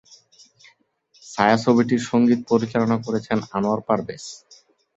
ছায়াছবিটির সঙ্গীত পরিচালনা করেছেন আনোয়ার পারভেজ।